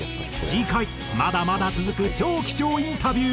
次回まだまだ続く超貴重インタビュー。